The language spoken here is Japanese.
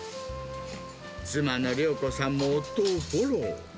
妻の良子さんも夫をフォロー。